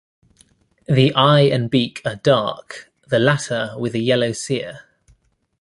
The eye and beak are dark, the latter with a yellow cere.